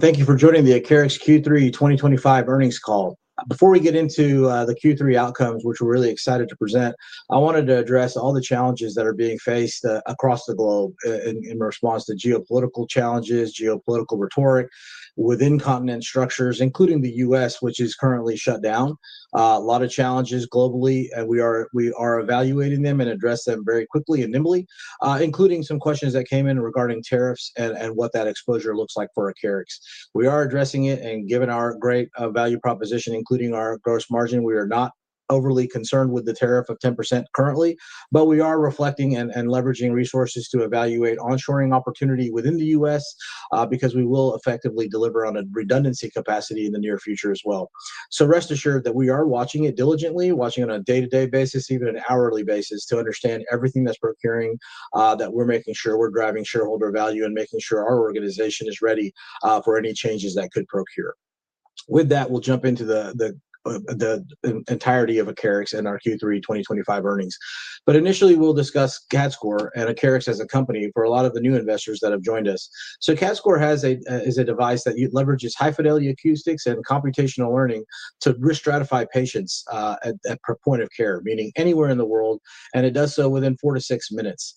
Thank you for joining the Acarix Q3 2025 Earnings Call. Before we get into the Q3 outcomes, which we're really excited to present, I wanted to address all the challenges that are being faced across the globe in response to geopolitical challenges, geopolitical rhetoric within continent structures, including the U.S., which is currently shut down. A lot of challenges globally, and we are evaluating them and addressing them very quickly and nimbly, including some questions that came in regarding tariffs and what that exposure looks like for Acarix. We are addressing it, and given our great value proposition, including our gross margin, we are not overly concerned with the tariff of 10% currently, but we are reflecting and leveraging resources to evaluate onshoring opportunity within the U.S. because we will effectively deliver on a redundancy capacity in the near future as well. So rest assured that we are watching it diligently, watching on a day-to-day basis, even an hourly basis, to understand everything that's occurring, that we're making sure we're driving shareholder value and making sure our organization is ready for any changes that could occur. With that, we'll jump into the entirety of Acarix and our Q3 2025 earnings. But initially, we'll discuss CADScor and Acarix as a company for a lot of the new investors that have joined us. So CADScor is a device that leverages high-fidelity acoustics and computational learning to risk stratify patients at point of care, meaning anywhere in the world, and it does so within four to six minutes.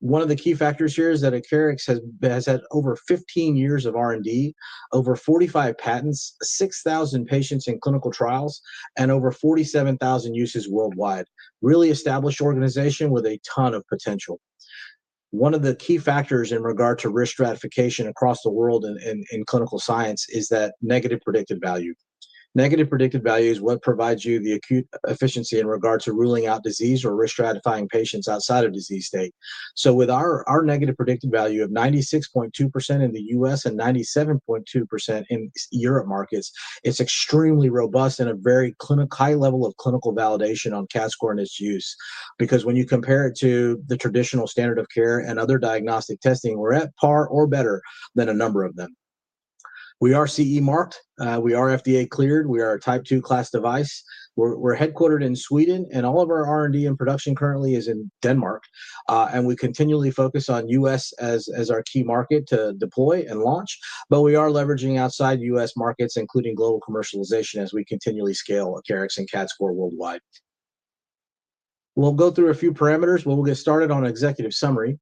One of the key factors here is that Acarix has had over 15 years of R&D, over 45 patents, 6,000 patients in clinical trials, and over 47,000 uses worldwide. Really established organization with a ton of potential. One of the key factors in regard to risk stratification across the world in clinical science is that negative predictive value. Negative predictive value is what provides you the acute efficiency in regard to ruling out disease or risk stratifying patients outside of disease state. So with our negative predictive value of 96.2% in the U.S. and 97.2% in Europe markets, it's extremely robust and a very high level of clinical validation on CADScor and its use. Because when you compare it to the traditional standard of care and other diagnostic testing, we're at par or better than a number of them. We are CE marked. We are FDA cleared. We are a Class II device. We're headquartered in Sweden, and all of our R&D and production currently is in Denmark. And we continually focus on the U.S. as our key market to deploy and launch. But we are leveraging outside U.S. markets, including global commercialization, as we continually scale Acarix and CADScor worldwide. We'll go through a few parameters. We'll get started on an executive summary.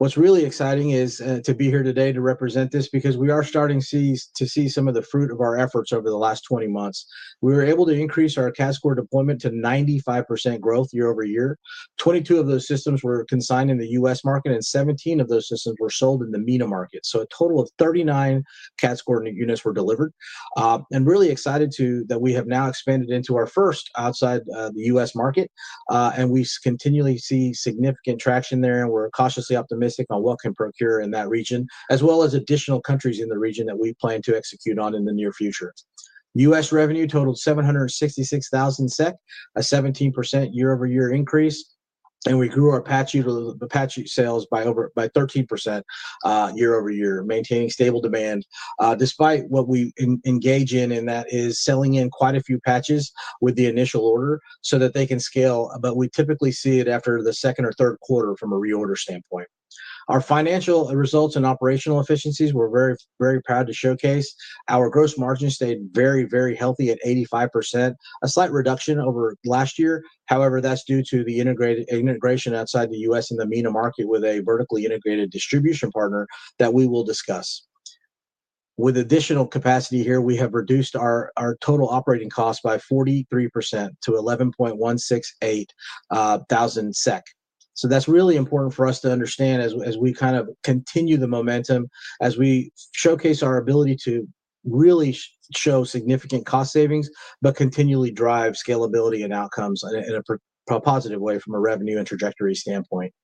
What's really exciting is to be here today to represent this because we are starting to see some of the fruit of our efforts over the last 20 months. We were able to increase our CADScor deployment to 95% growth year-over-year. 22 of those systems were consigned in the U.S. market, and 17 of those systems were sold in the MENA market. So a total of 39 CADScor units were delivered, and really excited that we have now expanded into our first outside the U.S. market. We continually see significant traction there, and we're cautiously optimistic on what can occur in that region, as well as additional countries in the region that we plan to execute on in the near future. U.S. revenue totaled 766,000 SEK, a 17% year-over-year increase. We grew our patch sales by 13% year-over-year, maintaining stable demand despite what we engage in, and that is selling in quite a few patches with the initial order so that they can scale. But we typically see it after the second or third quarter from a reorder standpoint. We were very, very proud to showcase our financial results and operational efficiencies. Our gross margin stayed very, very healthy at 85%, a slight reduction over last year. However, that's due to the integration outside the U.S. in the MENA market with a vertically integrated distribution partner that we will discuss. With additional capacity here, we have reduced our total operating cost by 43% to 11,168,000 SEK. So that's really important for us to understand as we kind of continue the momentum, as we showcase our ability to really show significant cost savings, but continually drive scalability and outcomes in a positive way from a revenue and trajectory standpoint.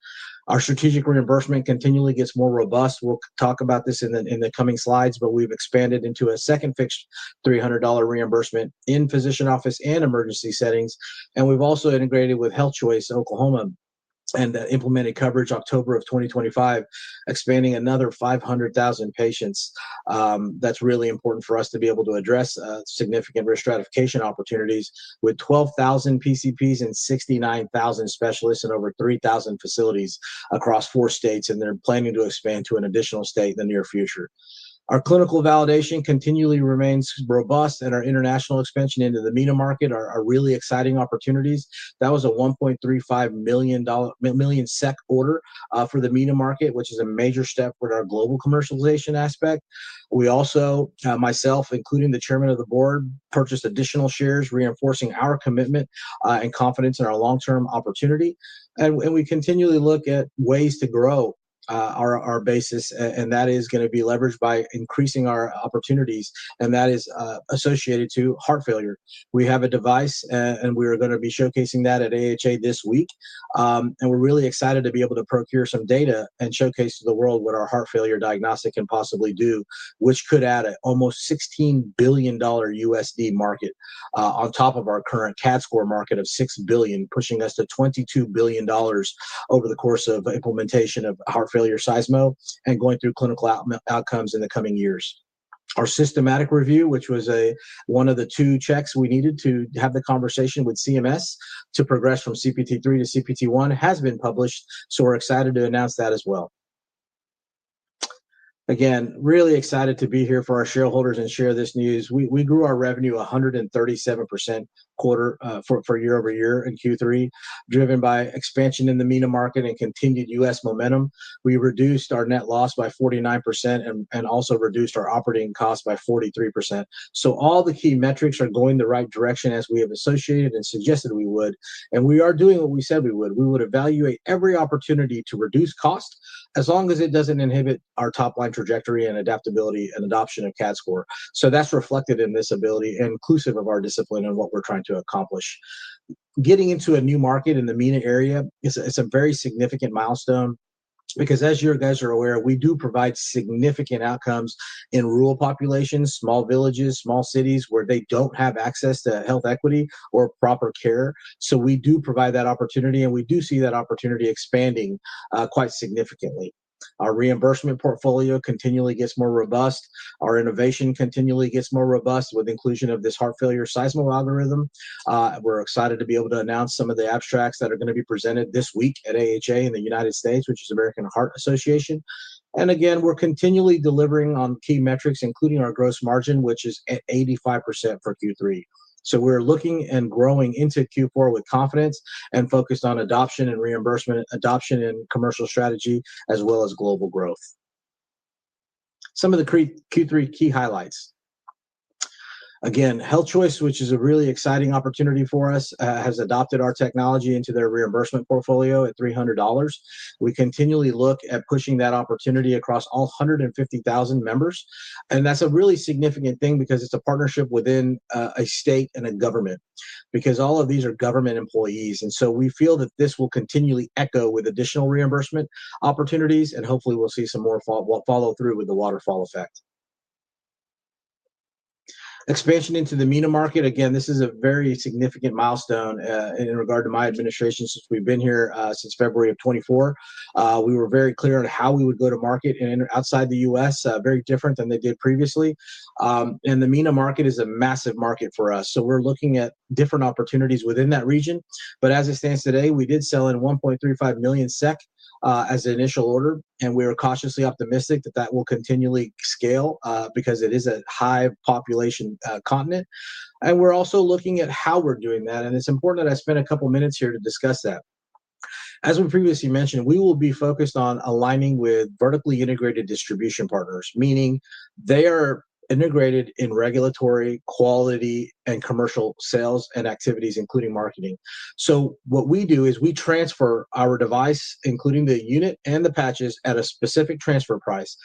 Our strategic reimbursement continually gets more robust. We'll talk about this in the coming slides, but we've expanded into a second fixed $300 reimbursement in physician office and emergency settings. And we've also integrated with HealthChoice Oklahoma and implemented coverage October of 2025, expanding another 500,000 patients. That's really important for us to be able to address significant risk stratification opportunities with 12,000 PCPs and 69,000 specialists in over 3,000 facilities across four states, and they're planning to expand to an additional state in the near future. Our clinical validation continually remains robust, and our international expansion into the MENA market are really exciting opportunities. That was a 1.35 million SEK order for the MENA market, which is a major step with our global commercialization aspect. We also, myself, including the chairman of the board, purchased additional shares, reinforcing our commitment and confidence in our long-term opportunity. And we continually look at ways to grow our basis, and that is going to be leveraged by increasing our opportunities, and that is associated to heart failure. We have a device, and we are going to be showcasing that at AHA this week. We're really excited to be able to procure some data and showcase to the world what our heart failure diagnostic can possibly do, which could add an almost $16 billion USD market on top of our current CADScor market of $6 billion, pushing us to $22 billion over the course of implementation of heart failure SEISMO, and going through clinical outcomes in the coming years. Our systematic review, which was one of the two checks we needed to have the conversation with CMS to progress from CPT III to CPT I, has been published. We're excited to announce that as well. Again, really excited to be here for our shareholders and share this news. We grew our revenue 137% quarter-over-year in Q3, driven by expansion in the MENA market and continued U.S. momentum. We reduced our net loss by 49% and also reduced our operating costs by 43%. All the key metrics are going the right direction as we have associated and suggested we would. We are doing what we said we would. We would evaluate every opportunity to reduce cost as long as it doesn't inhibit our top-line trajectory and adaptability and adoption of CADScor. That's reflected in this ability, inclusive of our discipline and what we're trying to accomplish. Getting into a new market in the MENA area is a very significant milestone because, as you guys are aware, we do provide significant outcomes in rural populations, small villages, small cities where they don't have access to health equity or proper care. We do provide that opportunity, and we do see that opportunity expanding quite significantly. Our reimbursement portfolio continually gets more robust. Our innovation continually gets more robust with inclusion of this heart failure SEISMO algorithm. We're excited to be able to announce some of the abstracts that are going to be presented this week at AHA in the United States, which is the American Heart Association, and again, we're continually delivering on key metrics, including our gross margin, which is at 85% for Q3, so we're looking and growing into Q4 with confidence and focused on adoption and reimbursement, adoption and commercial strategy, as well as global growth. Some of the Q3 key highlights. Again, HealthChoice, which is a really exciting opportunity for us, has adopted our technology into their reimbursement portfolio at $300. We continually look at pushing that opportunity across all 150,000 members, and that's a really significant thing because it's a partnership within a state and a government because all of these are government employees. And so we feel that this will continually echo with additional reimbursement opportunities, and hopefully we'll see some more follow-through with the waterfall effect. Expansion into the MENA market. Again, this is a very significant milestone in regard to my administration since we've been here since February of 2024. We were very clear on how we would go to market outside the U.S., very different than they did previously. And the MENA market is a massive market for us. So we're looking at different opportunities within that region. But as it stands today, we did sell 1.35 million SEK as an initial order, and we are cautiously optimistic that that will continually scale because it is a high-population continent. And we're also looking at how we're doing that. And it's important that I spend a couple of minutes here to discuss that. As we previously mentioned, we will be focused on aligning with vertically integrated distribution partners, meaning they are integrated in regulatory, quality, and commercial sales and activities, including marketing. So what we do is we transfer our device, including the unit and the patches, at a specific transfer price.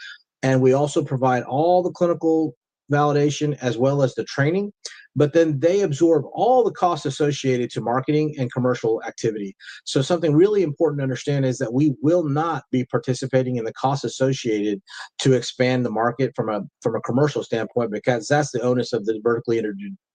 And we also provide all the clinical validation as well as the training, but then they absorb all the costs associated to marketing and commercial activity. So something really important to understand is that we will not be participating in the costs associated to expand the market from a commercial standpoint because that's the onus of the vertically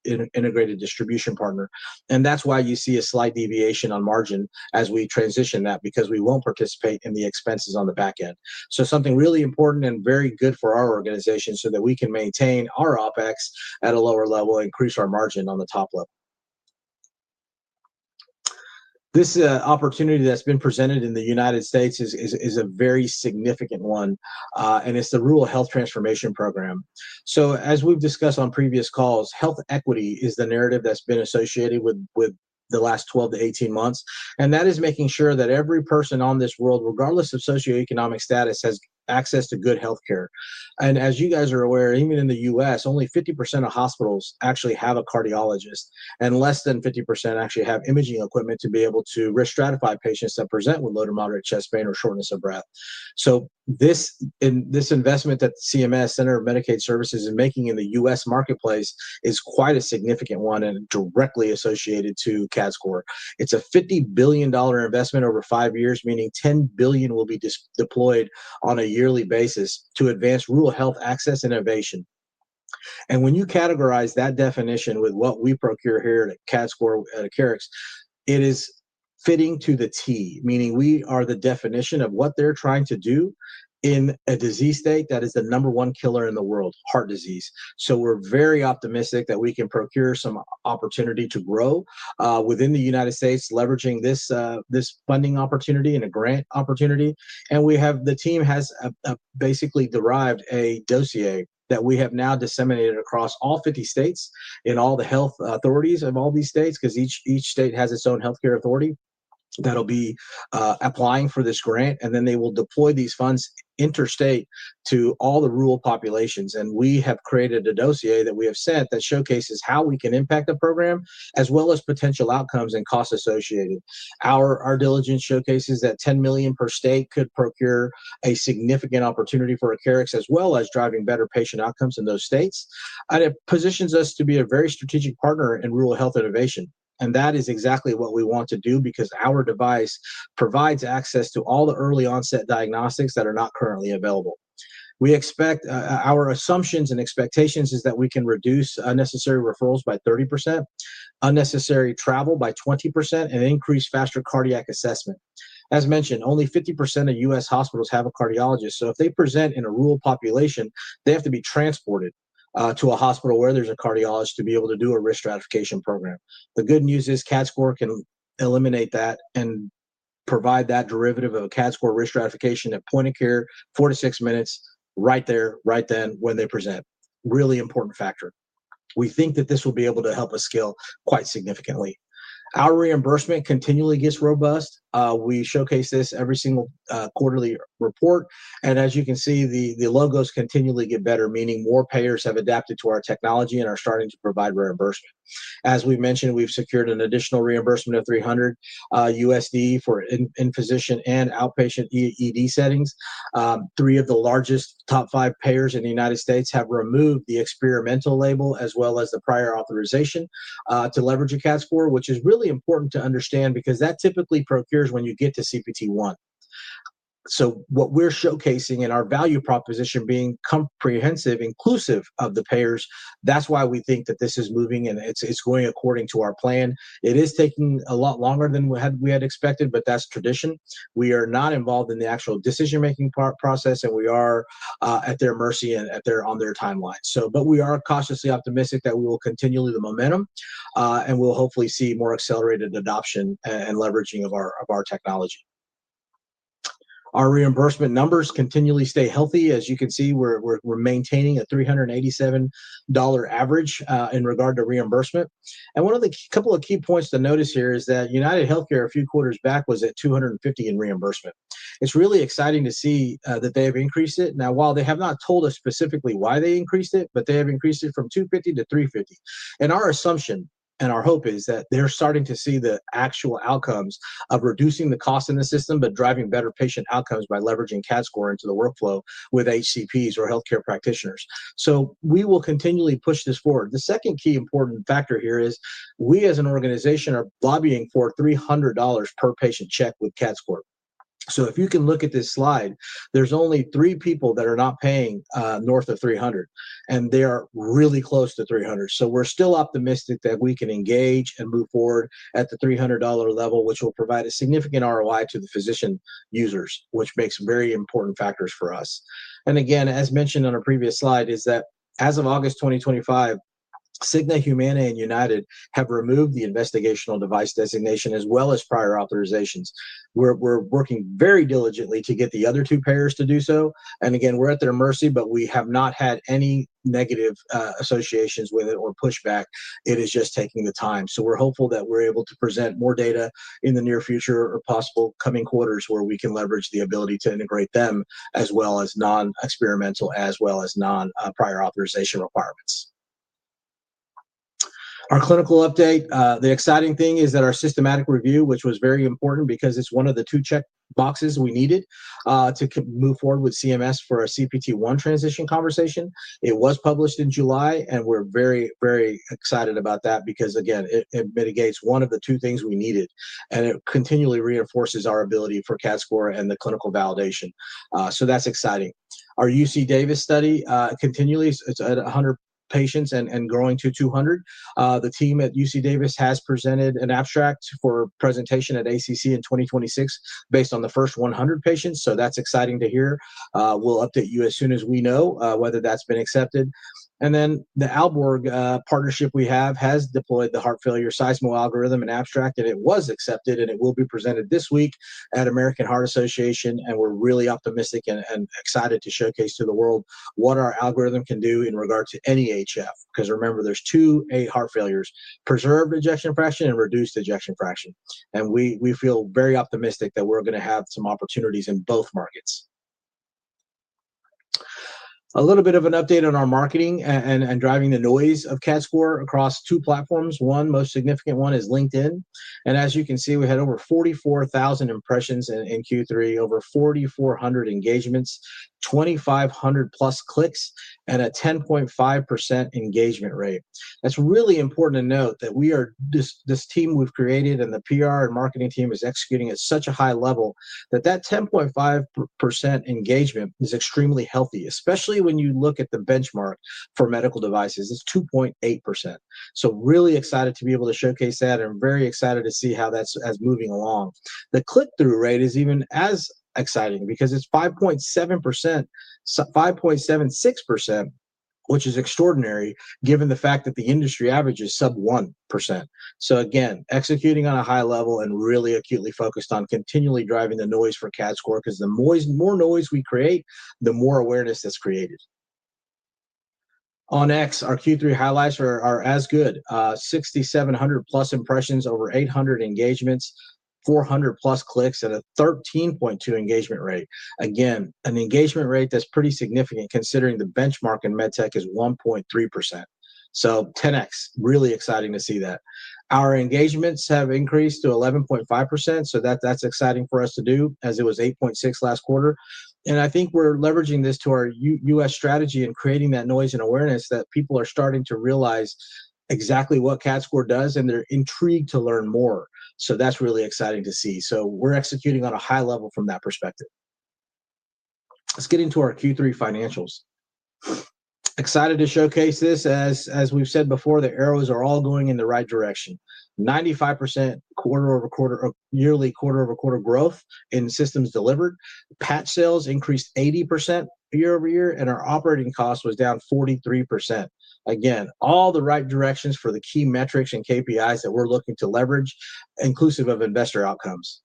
integrated distribution partner. And that's why you see a slight deviation on margin as we transition that because we won't participate in the expenses on the back end. Something really important and very good for our organization so that we can maintain our OpEx at a lower level and increase our margin on the top level. This opportunity that's been presented in the United States is a very significant one, and it's the Rural Health Transformation Program. As we've discussed on previous calls, health equity is the narrative that's been associated with the last 12-18 months. That is making sure that every person on this world, regardless of socioeconomic status, has access to good healthcare. As you guys are aware, even in the U.S., only 50% of hospitals actually have a cardiologist, and less than 50% actually have imaging equipment to be able to risk stratify patients that present with low to moderate chest pain or shortness of breath. So, this investment that CMS, Centers for Medicare and Medicaid Services, is making in the U.S. marketplace is quite a significant one and directly associated to CADScor. It's a $50 billion investment over five years, meaning $10 billion will be deployed on a yearly basis to advance rural health access innovation. When you categorize that definition with what we procure here at CADScor at Acarix, it is fitting to the tee, meaning we are the definition of what they're trying to do in a disease state that is the number one killer in the world, heart disease. We're very optimistic that we can procure some opportunity to grow within the United States, leveraging this funding opportunity and a grant opportunity. We have the team has basically derived a dossier that we have now disseminated across all 50 states in all the health authorities of all these states because each state has its own healthcare authority that will be applying for this grant. Then they will deploy these funds interstate to all the rural populations. We have created a dossier that we have sent that showcases how we can impact the program, as well as potential outcomes and costs associated. Our diligence showcases that $10 million per state could procure a significant opportunity for Acarix, as well as driving better patient outcomes in those states. It positions us to be a very strategic partner in rural health innovation. That is exactly what we want to do because our device provides access to all the early onset diagnostics that are not currently available. We expect our assumptions and expectations are that we can reduce unnecessary referrals by 30%, unnecessary travel by 20%, and increase faster cardiac assessment. As mentioned, only 50% of U.S. hospitals have a cardiologist. So if they present in a rural population, they have to be transported to a hospital where there's a cardiologist to be able to do a risk stratification program. The good news is CADScor can eliminate that and provide that derivative of a CADScor risk stratification at point of care, four to six minutes, right there, right then when they present. Really important factor. We think that this will be able to help us scale quite significantly. Our reimbursement continually gets robust. We showcase this every single quarterly report. And as you can see, the logos continually get better, meaning more payers have adapted to our technology and are starting to provide reimbursement. As we mentioned, we've secured an additional reimbursement of $300 for in-physician and outpatient ED settings. Three of the largest top five payers in the United States have removed the experimental label as well as the prior authorization to leverage a CADScor, which is really important to understand because that typically occurs when you get to CPT I, so what we're showcasing and our value proposition being comprehensive, inclusive of the payers, that's why we think that this is moving and it's going according to our plan. It is taking a lot longer than we had expected, but that's tradition. We are not involved in the actual decision-making process, and we are at their mercy and on their timeline, but we are cautiously optimistic that we will continue the momentum and we'll hopefully see more accelerated adoption and leveraging of our technology. Our reimbursement numbers continually stay healthy. As you can see, we're maintaining a $387 average in regard to reimbursement. And one of the couple of key points to notice here is that UnitedHealthcare, a few quarters back, was at $250 in reimbursement. It's really exciting to see that they have increased it. Now, while they have not told us specifically why they increased it, but they have increased it from $250 to $350. And our assumption and our hope is that they're starting to see the actual outcomes of reducing the cost in the system, but driving better patient outcomes by leveraging CADScor into the workflow with HCPs or healthcare practitioners. So we will continually push this forward. The second key important factor here is we, as an organization, are lobbying for $300 per patient check with CADScor. So if you can look at this slide, there's only three people that are not paying north of $300, and they are really close to $300. So we're still optimistic that we can engage and move forward at the $300 level, which will provide a significant ROI to the physician users, which makes very important factors for us. And again, as mentioned on a previous slide, is that as of August 2025, Cigna, Humana, and United have removed the investigational device designation as well as prior authorizations. We're working very diligently to get the other two payers to do so. And again, we're at their mercy, but we have not had any negative associations with it or pushback. It is just taking the time. We're hopeful that we're able to present more data in the near future or possible coming quarters where we can leverage the ability to integrate them as well as non-experimental, as well as non-prior authorization requirements. Our clinical update, the exciting thing is that our systematic review, which was very important because it's one of the two check boxes we needed to move forward with CMS for a CPT I transition conversation. It was published in July, and we're very, very excited about that because, again, it mitigates one of the two things we needed, and it continually reinforces our ability for CADScor and the clinical validation. So that's exciting. Our UC Davis study continually is at 100 patients and growing to 200. The team at UC Davis has presented an abstract for presentation at ACC in 2026 based on the first 100 patients. So that's exciting to hear. We'll update you as soon as we know whether that's been accepted. And then the Aalborg partnership we have has deployed the heart failure SEISMO algorithm and abstract, and it was accepted, and it will be presented this week at American Heart Association. And we're really optimistic and excited to showcase to the world what our algorithm can do in regard to any HF because remember, there's two heart failures: preserved ejection fraction and reduced ejection fraction. And we feel very optimistic that we're going to have some opportunities in both markets. A little bit of an update on our marketing and driving the noise of CADScor across two platforms. One, most significant one, is LinkedIn. And as you can see, we had over 44,000 impressions in Q3, over 4,400 engagements, 2,500-plus clicks, and a 10.5% engagement rate. That's really important to note that this team we've created and the PR and marketing team is executing at such a high level that that 10.5% engagement is extremely healthy, especially when you look at the benchmark for medical devices. It's 2.8%. So really excited to be able to showcase that and very excited to see how that's moving along. The click-through rate is even as exciting because it's 5.76%, which is extraordinary given the fact that the industry average is sub 1%. So again, executing on a high level and really acutely focused on continually driving the noise for CADScor because the more noise we create, the more awareness that's created. On X, our Q3 highlights are as good: 6,700-plus impressions, over 800 engagements, 400-plus clicks, and a 13.2 engagement rate. Again, an engagement rate that's pretty significant considering the benchmark in medtech is 1.3%. 10x, really exciting to see that. Our engagements have increased to 11.5%. That's exciting for us to do, as it was 8.6% last quarter. I think we're leveraging this to our U.S. strategy and creating that noise and awareness that people are starting to realize exactly what CADScor does, and they're intrigued to learn more. That's really exciting to see. We're executing on a high level from that perspective. Let's get into our Q3 financials. Excited to showcase this. As we've said before, the arrows are all going in the right direction. 95% quarter-over-quarter, year-over-year growth in systems delivered. Patch sales increased 80% year-over-year, and our operating cost was down 43%. Again, all the right directions for the key metrics and KPIs that we're looking to leverage, inclusive of investor outcomes.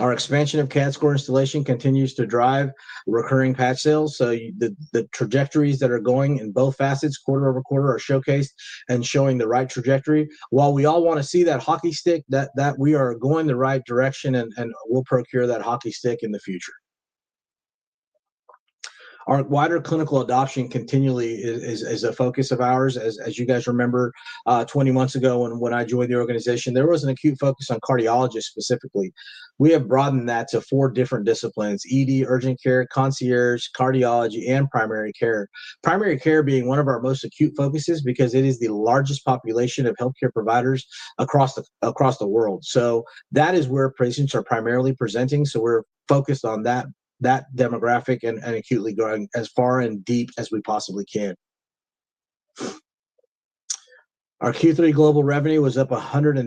Our expansion of CADScor installation continues to drive recurring patch sales. So the trajectories that are going in both facets, quarter-over-quarter, are showcased and showing the right trajectory. While we all want to see that hockey stick, that we are going the right direction, and we'll procure that hockey stick in the future. Our wider clinical adoption continually is a focus of ours. As you guys remember, 20 months ago when I joined the organization, there was an acute focus on cardiologists specifically. We have broadened that to four different disciplines: ED, urgent care, concierge, cardiology, and primary care. Primary care being one of our most acute focuses because it is the largest population of healthcare providers across the world. So we're focused on that demographic and acutely going as far and deep as we possibly can. Our Q3 global revenue was up 137%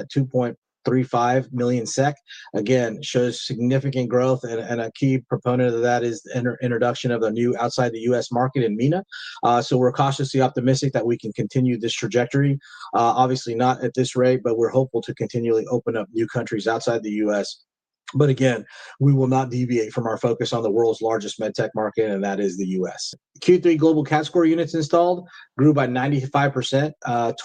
at 2.35 million SEK. Again, shows significant growth, and a key proponent of that is the introduction of a new outside-the-U.S. market in MENA. So we're cautiously optimistic that we can continue this trajectory. Obviously, not at this rate, but we're hopeful to continually open up new countries outside the U.S. But again, we will not deviate from our focus on the world's largest med tech market, and that is the U.S. Q3 global CADScor units installed grew by 95%,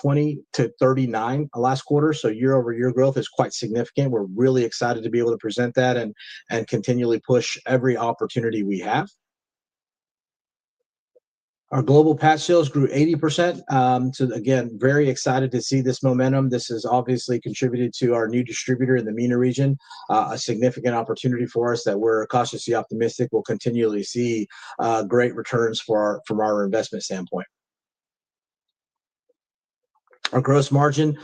20 to 39 last quarter. So year-over-year growth is quite significant. We're really excited to be able to present that and continually push every opportunity we have. Our global patch sales grew 80%. So again, very excited to see this momentum. This has obviously contributed to our new distributor in the MENA region, a significant opportunity for us that we're cautiously optimistic we'll continually see great returns from our investment standpoint. Our gross margin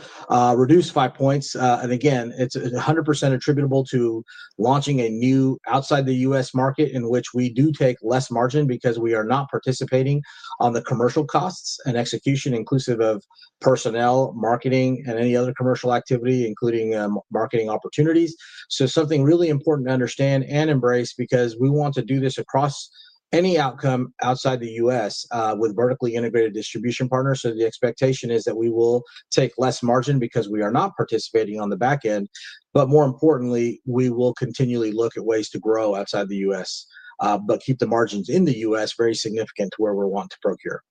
reduced by points. And again, it's 100% attributable to launching a new outside-the-U.S. market in which we do take less margin because we are not participating on the commercial costs and execution, inclusive of personnel, marketing, and any other commercial activity, including marketing opportunities. So something really important to understand and embrace because we want to do this across any outcome outside the U.S. with vertically integrated distribution partners. So the expectation is that we will take less margin because we are not participating on the back end. But more importantly, we will continually look at ways to grow outside the U.S., but keep the margins in the U.S. very significant to where we're wanting to procure.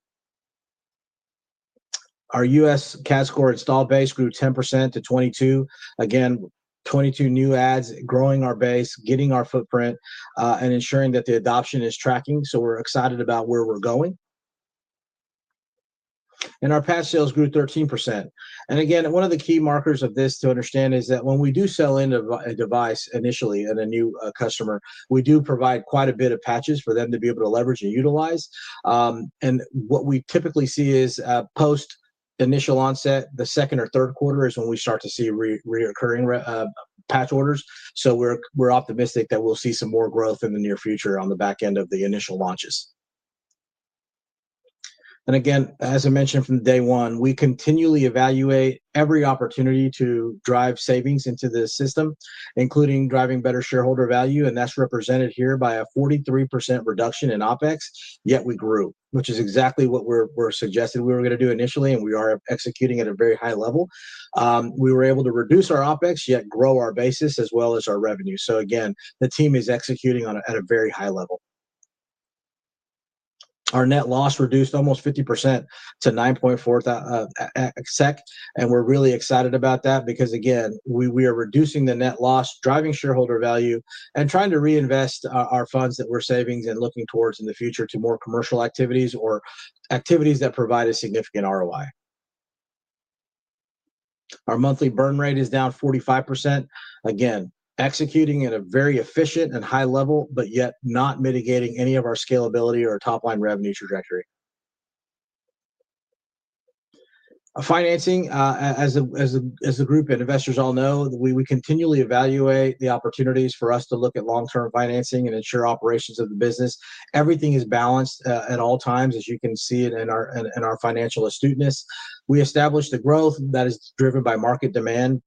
Our U.S. CADScor install base grew 10% to 22. Again, 22 new adds growing our base, getting our footprint, and ensuring that the adoption is tracking. We're excited about where we're going. Our patch sales grew 13%. Again, one of the key markers of this to understand is that when we do sell in a device initially at a new customer, we do provide quite a bit of patches for them to be able to leverage and utilize. What we typically see is post-initial onset, the second or third quarter is when we start to see recurring patch orders. We're optimistic that we'll see some more growth in the near future on the back end of the initial launches. Again, as I mentioned from day one, we continually evaluate every opportunity to drive savings into the system, including driving better shareholder value. That's represented here by a 43% reduction in OpEx, yet we grew, which is exactly what we were suggested we were going to do initially, and we are executing at a very high level. We were able to reduce our OpEx, yet grow our base as well as our revenue. So again, the team is executing at a very high level. Our net loss reduced almost 50% to 9.4 SEK. We're really excited about that because, again, we are reducing the net loss, driving shareholder value, and trying to reinvest our funds that we're saving and looking towards in the future to more commercial activities or activities that provide a significant ROI. Our monthly burn rate is down 45%. Again, executing at a very efficient and high level, but yet not mitigating any of our scalability or top-line revenue trajectory. Financing, as the group and investors all know, we continually evaluate the opportunities for us to look at long-term financing and ensure operations of the business. Everything is balanced at all times, as you can see in our financial astuteness. We established a growth that is driven by market demand,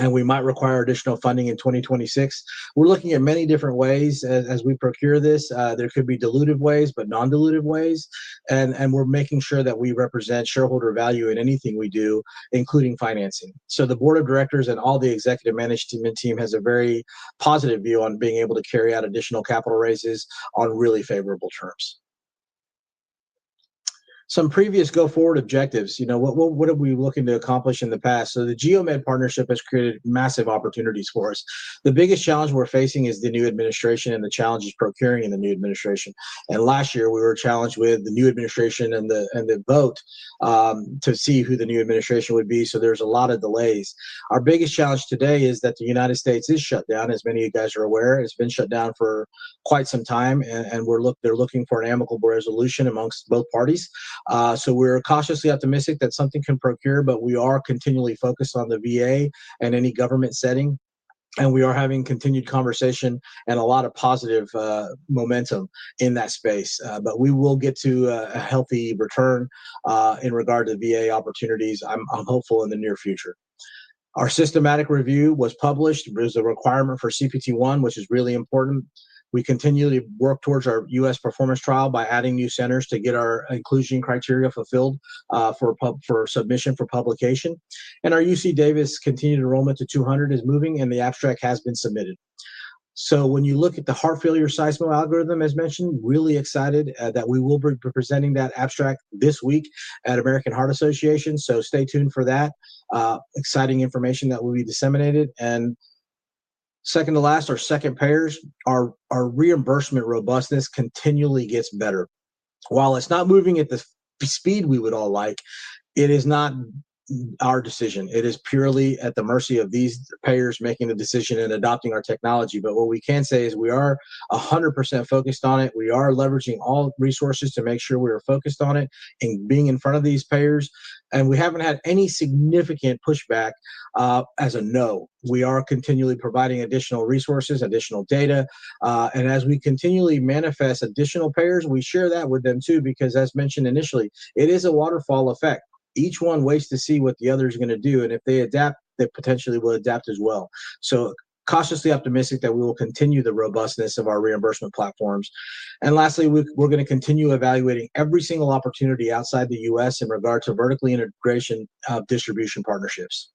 and we might require additional funding in 2026. We're looking at many different ways as we procure this. There could be dilutive ways, but non-dilutive ways. And we're making sure that we represent shareholder value in anything we do, including financing. So the board of directors and all the executive management team has a very positive view on being able to carry out additional capital raises on really favorable terms. Some previous go-forward objectives. What have we been looking to accomplish in the past? So the Geo-Med partnership has created massive opportunities for us. The biggest challenge we're facing is the new administration and the challenges procuring in the new administration. And last year, we were challenged with the new administration and the vote to see who the new administration would be. So there's a lot of delays. Our biggest challenge today is that the United States is shut down, as many of you guys are aware. It's been shut down for quite some time, and they're looking for an amicable resolution amongst both parties. So we're cautiously optimistic that something can procure, but we are continually focused on the VA and any government setting. And we are having continued conversation and a lot of positive momentum in that space. But we will get to a healthy return in regard to VA opportunities. I'm hopeful in the near future. Our systematic review was published. There's a requirement for CPT I, which is really important. We continually work towards our U.S. performance trial by adding new centers to get our inclusion criteria fulfilled for submission for publication. And our UC Davis continued enrollment to 200 is moving, and the abstract has been submitted. So when you look at the Heart failure SEISMO algorithm, as mentioned, really excited that we will be presenting that abstract this week at American Heart Association. So stay tuned for that. Exciting information that will be disseminated. And second to last, our second payers, our reimbursement robustness continually gets better. While it's not moving at the speed we would all like, it is not our decision. It is purely at the mercy of these payers making the decision and adopting our technology. But what we can say is we are 100% focused on it. We are leveraging all resources to make sure we are focused on it and being in front of these payers. We haven't had any significant pushback as a no. We are continually providing additional resources, additional data. As we continually manifest additional payers, we share that with them too because, as mentioned initially, it is a waterfall effect. Each one waits to see what the other is going to do. If they adopt, they potentially will adopt as well. We are cautiously optimistic that we will continue the robustness of our reimbursement platforms. Lastly, we're going to continue evaluating every single opportunity outside the U.S. in regard to vertically integrated distribution partnerships.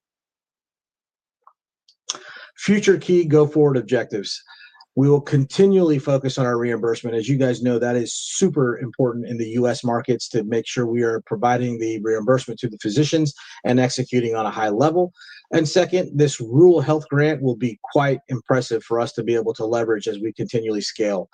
Future key go-forward objectives. We will continually focus on our reimbursement. As you guys know, that is super important in the U.S. Markets to make sure we are providing the reimbursement to the physicians and executing on a high level. And second, this rural health grant will be quite impressive for us to be able to leverage as we continually scale.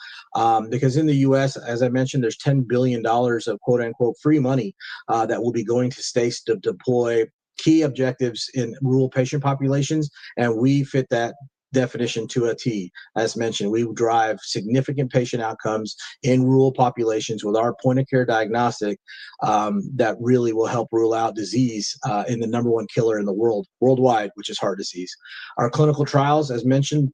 Because in the U.S., as I mentioned, there's $10 billion of "free money" that will be going to states to deploy key objectives in rural patient populations. And we fit that definition to a T. As mentioned, we drive significant patient outcomes in rural populations with our point-of-care diagnostic that really will help rule out disease and the number one killer worldwide, which is heart disease. Our clinical trials, as mentioned,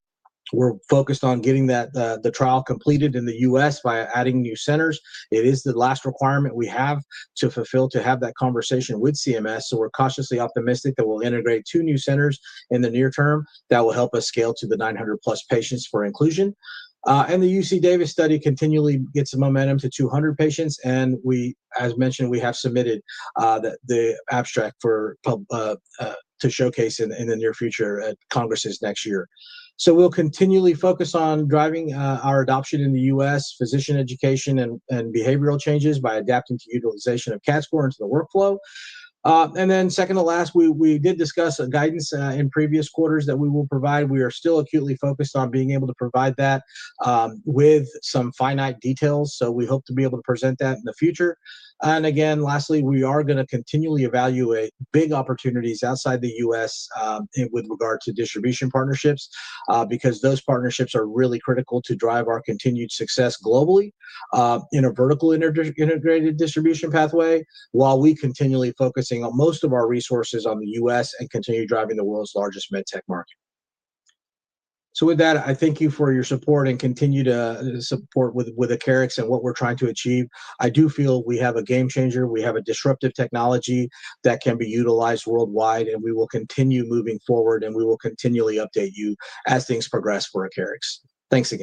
we're focused on getting the trial completed in the U.S. by adding new centers. It is the last requirement we have to fulfill to have that conversation with CMS. So we're cautiously optimistic that we'll integrate two new centers in the near term that will help us scale to the 900-plus patients for inclusion. And the UC Davis study continually gets momentum to 200 patients. And as mentioned, we have submitted the abstract to showcase in the near future at Congress next year. So we'll continually focus on driving our adoption in the U.S., physician education, and behavioral changes by adapting to utilization of CADScor into the workflow. And then second to last, we did discuss guidance in previous quarters that we will provide. We are still acutely focused on being able to provide that with some finite details. So we hope to be able to present that in the future. And again, lastly, we are going to continually evaluate big opportunities outside the U.S. With regard to distribution partnerships, because those partnerships are really critical to drive our continued success globally in a vertically integrated distribution pathway while we continually focus most of our resources on the U.S. and continue driving the world's largest med tech market. So with that, I thank you for your support and continue to support Acarix and what we're trying to achieve. I do feel we have a game changer. We have a disruptive technology that can be utilized worldwide, and we will continue moving forward, and we will continually update you as things progress for Acarix. Thanks again.